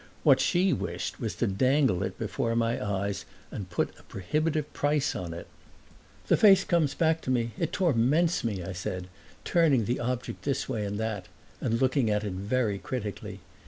What she wished was to dangle it before my eyes and put a prohibitive price on it. "The face comes back to me, it torments me," I said, turning the object this way and that and looking at it very critically.